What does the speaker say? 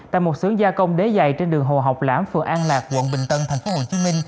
tại một sưởng gia công đế dày trên đường hồ học lãm phường an lạc quận bình tân tp hcm